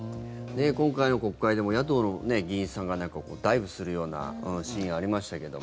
今回の国会でも野党の議員さんがダイブするようなシーンありましたけども。